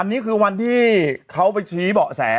อันนี้คือวันที่เขาไปชี้เบาะแส